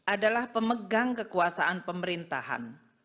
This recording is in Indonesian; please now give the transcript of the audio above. adalah pemegang kekuasaan pemerintahan